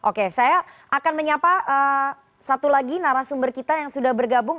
oke saya akan menyapa satu lagi narasumber kita yang sudah bergabung